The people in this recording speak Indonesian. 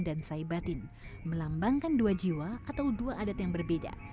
dan saibatin melambangkan dua jiwa atau dua adat yang berbeda